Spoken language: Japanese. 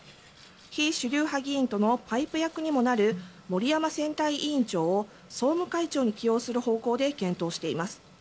非主流派議員とのパイプ役にもなる森山選対委員長を総務会長に起用する方向で検討しています。